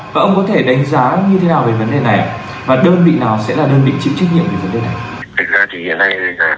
và ông có thể đánh giá như thế nào về vấn đề này và đơn vị nào sẽ là đơn vị chịu trách nhiệm về vấn đề này